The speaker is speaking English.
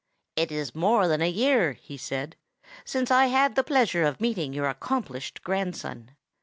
"It is more than a year," he said, "since I had the pleasure of meeting your accomplished grandson.